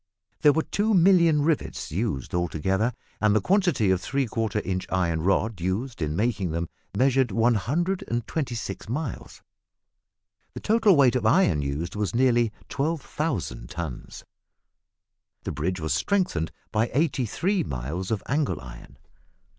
There were two million rivets used altogether, and the quantity of three quarter inch iron rod used in making them measured 126 miles. The total weight of iron used was nearly 12,000 tons. The bridge was strengthened by eighty three miles of angle iron.